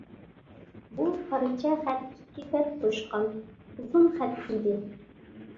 بۇ پارچە خەت ئىككى بەت توشقان ئۇزۇن خەت ئىدى.